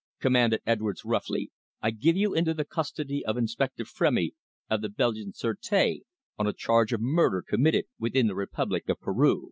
commanded Edwards roughly. "I give you into the custody of Inspector Frémy, of the Belgian Sureté, on a charge of murder committed within the Republic of Peru."